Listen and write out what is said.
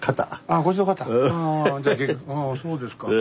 あそうですか。